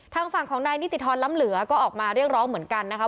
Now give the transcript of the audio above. ทางฝั่งของนายนิติธรรมล้ำเหลือก็ออกมาเรียกร้องเหมือนกันนะคะ